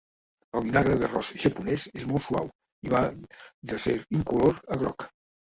El vinagre d'arròs japonès és molt suau i va de ser incolor a groc.